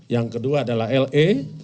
yang kedua adalah le